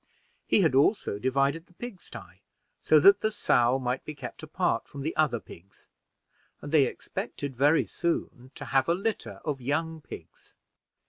He had also divided the pigsty, so that the sow might be kept apart from the other pigs; and they expected very soon to have a litter of young pigs.